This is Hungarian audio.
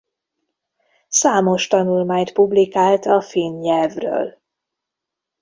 Számos tanulmányt publikált a finn nyelvről.